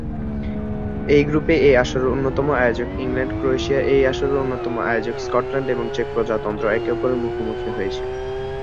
এই গ্রুপে এই আসরের অন্যতম আয়োজক ইংল্যান্ড, ক্রোয়েশিয়া, এই আসরের অন্যতম আয়োজক স্কটল্যান্ড এবং চেক প্রজাতন্ত্র একে অপরের মুখোমুখি হয়েছে।